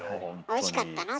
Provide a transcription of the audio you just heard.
おいしかったの？